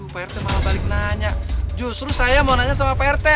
pak rt malah balik nanya justru saya mau nanya sama pak rt